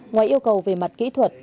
ngoài yêu cầu về mặt kỹ thuật